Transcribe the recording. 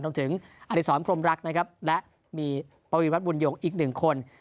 ตรงถึงอธิสรรคลมรักนะครับและมีประวิวัติบุญโยคอีก๑คน